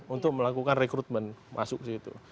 untuk melakukan rekrutmen masuk ke situ